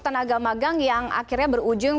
tenaga magang yang akhirnya berujung